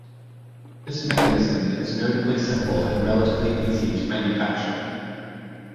This mechanism is notably simple and relatively easy to manufacture.